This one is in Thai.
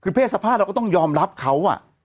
คือเพศสภาพเราก็ต้องยอมรับเขา